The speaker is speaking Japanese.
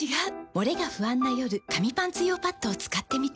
モレが不安な夜紙パンツ用パッドを使ってみた。